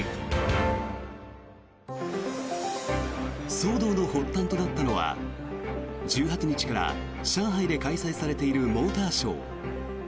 騒動の発端となったのは１８日から上海で開催されているモーターショー。